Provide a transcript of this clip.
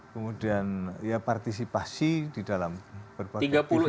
kemudian ya partisipasi di dalam berbagai politik